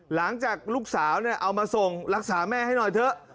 หลังจากลูกสาวเอามาส่งรักษาแม่ให้หน่อยเถอะ